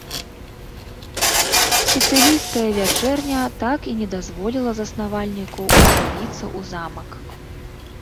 Сіцылійская вячэрня так і не дазволіла заснавальніку усяліцца ў замак.